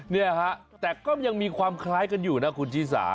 เนี่ยฮะแต่ก็ยังมีความคล้ายกันอยู่นะคุณชิสา